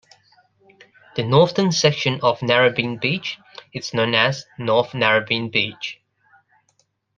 The northern section of Narrabeen Beach is known as North Narrabeen Beach.